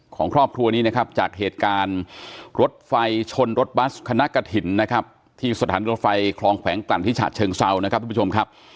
ของครอบครัวนี้นะครับจากเหตุการณ์รถไฟชนรถบัสคณะกระถิ่นนะครับที่สถานีรถไฟคลองแขวงกลั่นที่ฉะเชิงเซานะครับทุกผู้ชมครับ